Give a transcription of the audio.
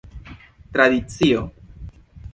tradicio